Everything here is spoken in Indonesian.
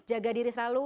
jaga diri selalu